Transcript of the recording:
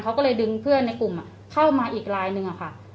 เขาก็เลยดึงเพื่อนในกลุ่มเข้ามาอีกลายหนึ่งค่ะ